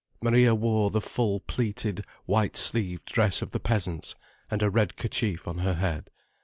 Maria wore the full pleated white sleeved dress of the peasants, and a red kerchief on her head.